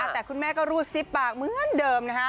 แต่คุณแม่ก็รูดซิบปากเหมือนเดิมนะฮะ